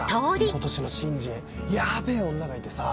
今年の新人ヤベェ女がいてさ。